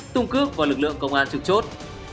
tung cước vào lực lượng công an trực chốt